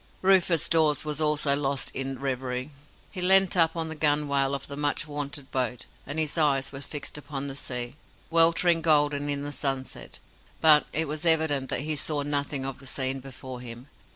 Rufus Dawes was also lost in reverie. He leant upon the gunwale of the much vaunted boat, and his eyes were fixed upon the sea, weltering golden in the sunset, but it was evident that he saw nothing of the scene before him.